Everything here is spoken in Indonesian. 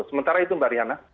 sementara itu mbak riana